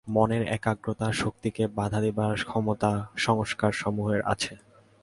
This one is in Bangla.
মনের একাগ্রতা-শক্তিকে বাধা দিবার ক্ষমতা সংস্কারসমূহের আছে।